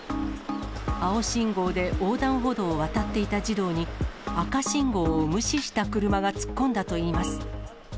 青信号で横断歩道を渡っていた児童に赤信号を無視した車が突っ込んだといいます。